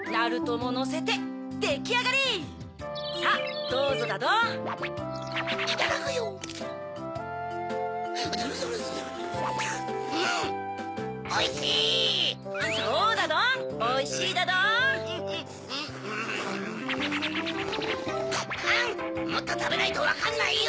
もっとたべないとわかんないよ！